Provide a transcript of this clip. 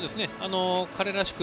彼らしく